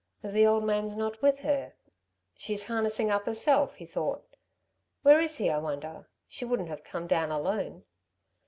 "The old man's not with her. She's harnessing up herself," he thought. "Where is he, I wonder? She wouldn't have come down alone."